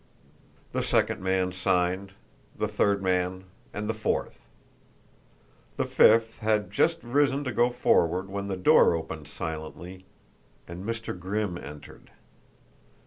The second man signed, the third man, and the fourth. The fifth had just risen to go forward when the door opened silently and Mr. Grimm entered.